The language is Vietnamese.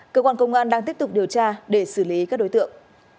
cơ quan công an đang tiếp tục điều tra để xử lý các đối tượng